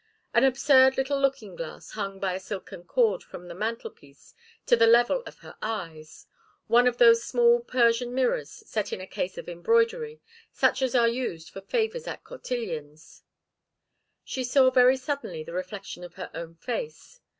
An absurd little looking glass hung by a silken cord from the mantelpiece to the level of her eyes one of those small Persian mirrors set in a case of embroidery, such as are used for favours at cotillions. She saw very suddenly the reflection of her own face.